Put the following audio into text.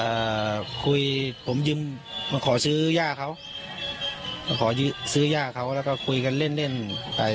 อ่าคุยผมยืมมาขอซื้อย่าเขามาขอซื้อย่าเขาแล้วก็คุยกันเล่นเล่นอ่า